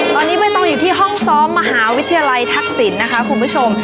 ตอนนี้ไม่ต้องอยู่ที่ห้องซ้อมมหาวิทยาลัยทักษิณนะคะคุณผู้ชม